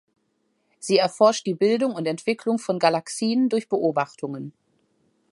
Sie erforscht die Bildung und Entwicklung von Galaxien durch Beobachtungen.